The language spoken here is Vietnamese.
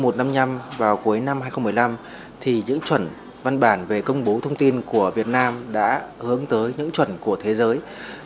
năm một nghìn năm mươi năm vào cuối năm hai nghìn một mươi năm thì những chuẩn văn bản về công bố thông tin của việt nam đã hướng tới những chuẩn của thế giới